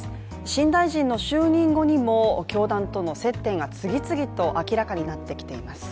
新大臣の就任後にも教団との接点が次々と明らかになってきています。